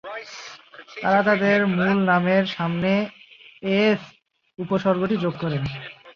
তারা তাদের মূল নামের সামনে "এএফ" উপসর্গটি যোগ করে।